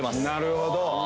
なるほど。